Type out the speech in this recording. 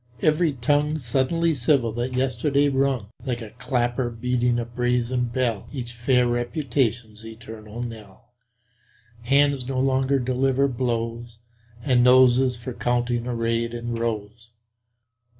every tongue Suddenly civil that yesterday rung (Like a clapper beating a brazen bell) Each fair reputation's eternal knell; Hands no longer delivering blows, And noses, for counting, arrayed in rows.